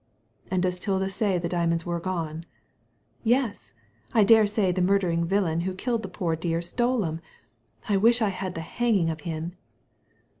*' "And does Tilda say the diamonds were gone?'* " Yes ! I dessay the murdering villain who killed the poor dear stole 'em. I wish I had the hanging of him.'